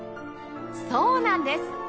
そうなんです